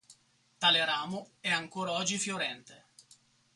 Tale ramo è ancora oggi fiorente.